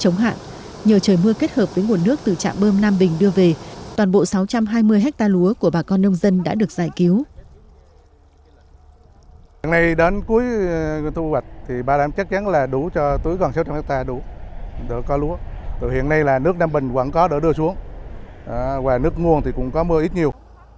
nhờ trời mưa kết hợp với nguồn nước từ trạng bơm nam bình đưa về toàn bộ sáu trăm hai mươi hectare lúa của bà con nông dân đã được giải cứu